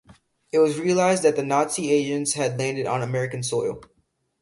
It was realized that Nazi agents had landed on American soil.